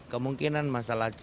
kemungkinan masalah rumah tangga